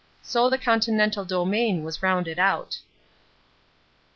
So the continental domain was rounded out.